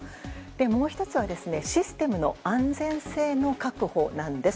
もう１つはシステムの安全性の確保なんです。